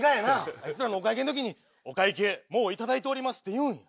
あいつらのお会計の時に「お会計もう頂いております」って言うんや。